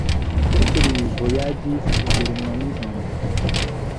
Poste li vojaĝis Germanion.